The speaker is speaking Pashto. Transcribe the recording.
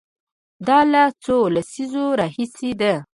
دا له څو لسیزو راهیسې ده.